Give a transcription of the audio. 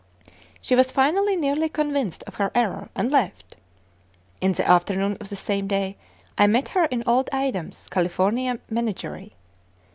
She was finally nearly convinced of her error, and left. In the afternoon of the same day, I met her in Old Adams' California Menagerie.